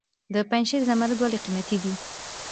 د پنجشیر زمرد ولې قیمتي دي؟